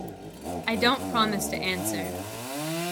I don't promise to answer.